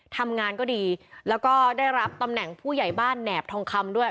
ทำงานก็ดีแล้วก็ได้รับตำแหน่งผู้ใหญ่บ้านแหนบทองคำด้วย